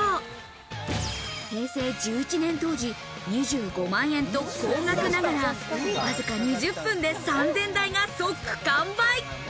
平成１１年当時、２５万円と高額ながらわずか２０分で３０００台が即完売。